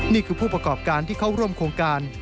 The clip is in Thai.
ผู้ประกอบการที่เข้าร่วมโครงการ